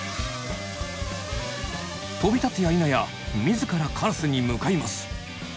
飛び立つやいなや自らカラスに向かいます。